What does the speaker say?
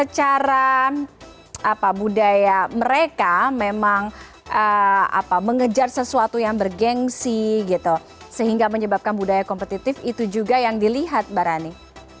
cara budaya mereka memang mengejar sesuatu yang bergensi gitu sehingga menyebabkan budaya kompetitif itu juga yang dilihat mbak rani